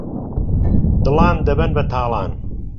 دڵان دەبەن بەتاڵان